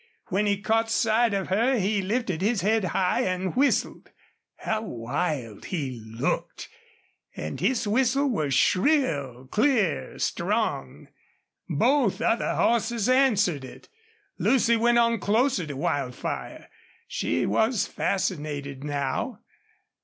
When he caught sight of her he lifted his head high and whistled. How wild he looked! And his whistle was shrill, clear, strong. Both the other horses answered it. Lucy went on closer to Wildfire. She was fascinated now.